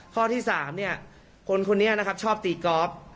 ข้อที่สามเนี่ยคนคนนี้นะครับชอบตีกอล์ฟ